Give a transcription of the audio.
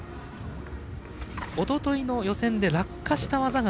おとといの予選で落下した技。